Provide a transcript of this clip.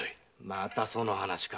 またその話か。